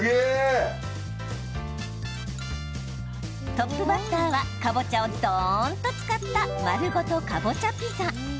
トップバッターはかぼちゃを、どーんと使った丸ごとかぼちゃピザ。